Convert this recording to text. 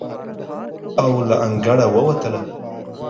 او له انګړه ووتله.